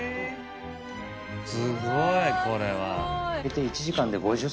すごいこれは。